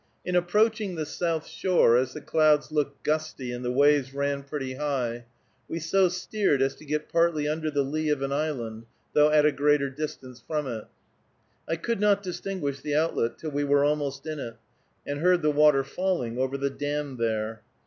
In approaching the south shore, as the clouds looked gusty and the waves ran pretty high, we so steered as to get partly under the lee of an island, though at a great distance from it. I could not distinguish the outlet till we were almost in it, and heard the water falling over the dam there.